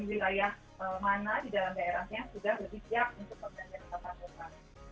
dan wilayah mana di dalam daerahnya sudah lebih siap untuk pemberian kesatuan